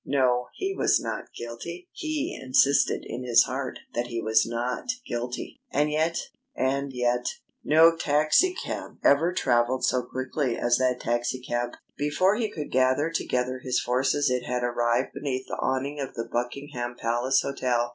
No, he was not guilty! He insisted in his heart that he was not guilty! And yet and yet No taxicab ever travelled so quickly as that taxi cab. Before he could gather together his forces it had arrived beneath the awning of the Buckingham Palace Hotel.